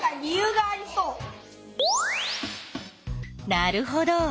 なるほど。